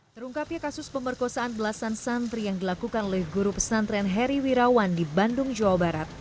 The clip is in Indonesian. terungkapnya kasus pemerkosaan belasan santri yang dilakukan oleh guru pesantren heri wirawan di bandung jawa barat